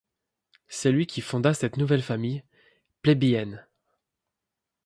C'est lui qui fonda cette nouvelle famille, plébéienne.